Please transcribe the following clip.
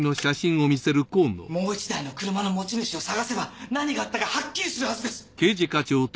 もう１台の車の持ち主を捜せば何があったかはっきりするはずです。